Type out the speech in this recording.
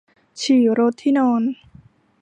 ฉี่รดที่นอน